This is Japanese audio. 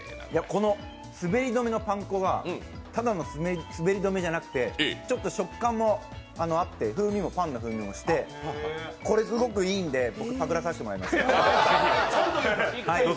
この滑り止めのパン粉がただの滑り止めじゃなくてちょっと食感もあって風味もパンの風味もしてこれ、すごくいいんで僕、パクらさせてもらいます。